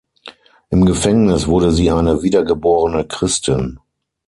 Im Gefängnis wurde sie eine wiedergeborene Christin.